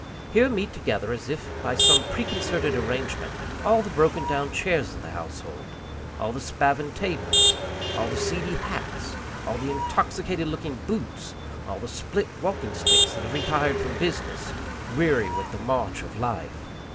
Here meet together, as if by some preconcerted arrangement, all the broken down chairs of the household, all the spavined tables, all the seedy hats, all the intoxicated looking boots, all the split walking sticks that have retired from business, "weary with the march of life."